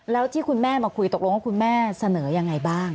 แล้วที่คุณแม่มาคุยตกลงว่าคุณแม่เสนอยังไงบ้าง